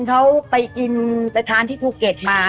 เขาไปกินไปทานที่ภูเก็ตมา